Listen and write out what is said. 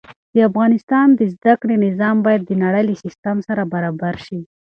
د افغانستان د زده کړې نظام باید د نړۍ له سيستم سره برابر شي.